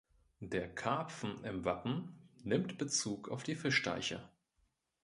Der Karpfen im Wappen nimmt Bezug auf die Fischteiche.